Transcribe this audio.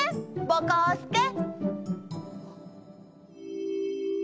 ぼこすけ。